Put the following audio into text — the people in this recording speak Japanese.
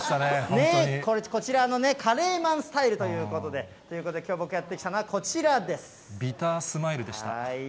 こちらのね、カレーマンスタイルということで。ということで、きょう、僕がやっビタースマイルでした。